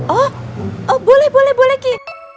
oh boleh boleh boleh kiki